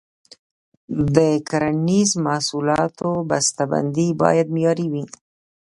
د کرنیزو محصولاتو بسته بندي باید معیاري وي.